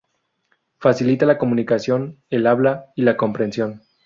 Facilita la comunicación, el habla y la comprensión.